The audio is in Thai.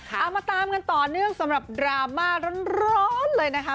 เอามาตามกันต่อเนื่องสำหรับดราม่าร้อนเลยนะคะ